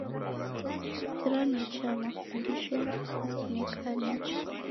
Sikira nicha mafundisho nikunekaa nicha